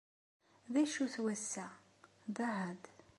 D acu-t wass-a? D ahad.